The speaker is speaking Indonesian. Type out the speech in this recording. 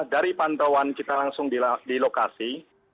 dari pantauan kita langsung di lokasi